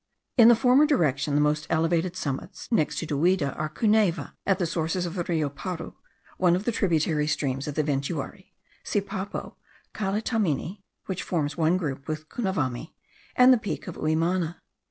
In the former direction the most elevated summits next to Duida are Cuneva, at the sources of the Rio Paru (one of the tributary streams of the Ventuari), Sipapo, Calitamini, which forms one group with Cunavami and the peak of Umiana.